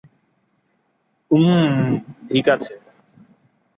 উমম, ঠিক আছে।